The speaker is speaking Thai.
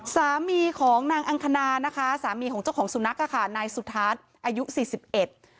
สามีของนางอังคณานะคะสามีของเจ้าของสุนัขอ่ะค่ะนายสุทัศน์อายุสี่สิบเอ็ด